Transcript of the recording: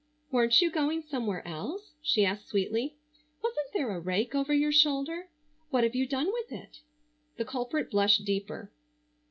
"Weren't you going somewhere else?" she asked sweetly. "Wasn't there a rake over your shoulder? What have you done with it?" The culprit blushed deeper.